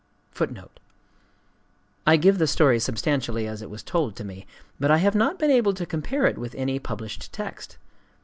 '" I give the story substantially as it was told to me; but I have not been able to compare it with any published text.